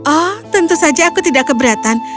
oh tentu saja aku tidak keberatan